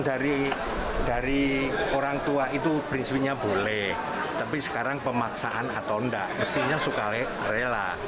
dari dari orangtua itu prinsipnya boleh tapi sekarang pemaksaan atau ndak istrinya sukarela